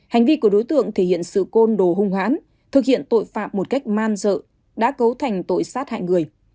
hành vi của đối tượng thể hiện sự côn đồ hung hãn thực hiện tội phạm một cách man dợ đã cấu thành tội sát hại người